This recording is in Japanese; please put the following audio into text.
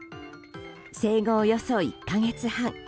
生後およそ１か月半。